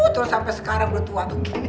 terus sampai sekarang udah tua tuh gini